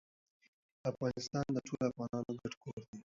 افغانستان د ټولو افغانانو ګډ کور دی.